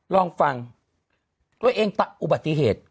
ลองฟังตัวเองอุบัติเหตุ